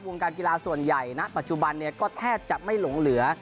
การกีฬาส่วนใหญ่ณปัจจุบันเนี่ยก็แทบจะไม่หลงเหลือ